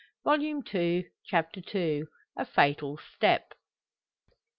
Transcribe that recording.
Volume Two, Chapter II. A FATAL STEP.